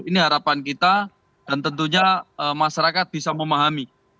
ini harapan kita dan tentunya masyarakat bisa memahami